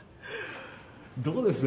どうです？